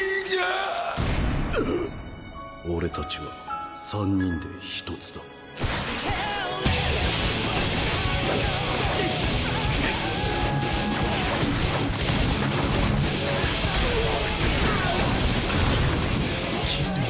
俺たちは三人で一つだドゴッ！